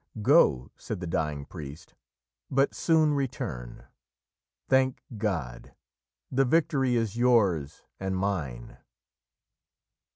'Go,' said the dying priest, 'but soon return. Thank God! the victory is yours and mine!'"